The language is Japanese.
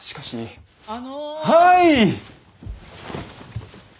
はい！